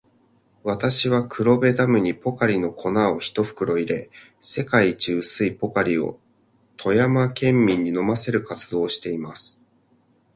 私は、黒部ダムにポカリの粉を一袋入れ、世界一薄いポカリを富山県民に飲ませる活動をしています。